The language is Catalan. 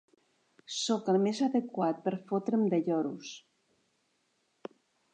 Sóc el més adequat per fotre'm de lloros.